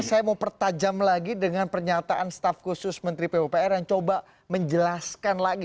saya mau pertajam lagi dengan pernyataan staf khusus menteri pupr yang coba menjelaskan lagi